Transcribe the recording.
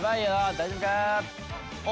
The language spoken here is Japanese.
大丈夫かあ？